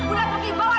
udah pergi bawa dia